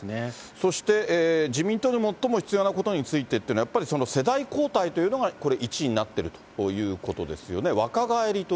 そして、自民党に最も必要なことについてっていうのは、やっぱり世代交代というのがこれ、１位になってるということですよね、